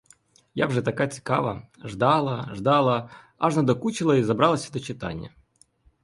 Я вже така цікава, ждала, ждала, аж надокучило і забралася до читання.